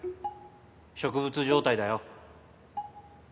植物状態だよ